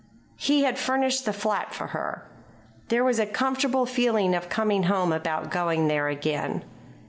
He had furnished the flat for her. There was a comfortable feeling of coming home about going there again.